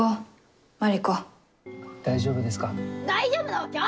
大丈夫ですか？